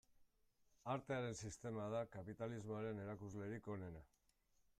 Artearen sistema da kapitalismoaren erakuslerik onena.